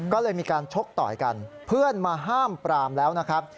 ก็เลยมีการชกต่อยกันเพื่อนมาห้ามปรามแล้วนะครับ